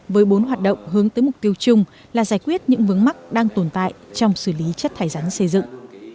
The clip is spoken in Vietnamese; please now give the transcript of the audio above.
với bốn hoạt động hướng tới mục tiêu chung là giải quyết những vướng mắc đang tồn tại trong xử lý chất thải rắn xây dựng